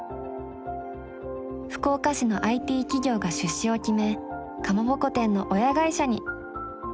福岡市のＩＴ企業が出資を決めかまぼこ店の親会社に！